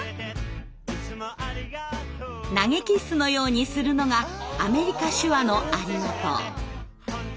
投げキッスのようにするのがアメリカ手話の「ありがとう」。